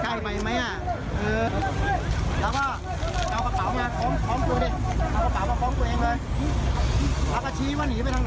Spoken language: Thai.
ฝามไหนเอาชี้เอาชี้ไปเอาถ่ายภาพชี้หนีไปข้างบน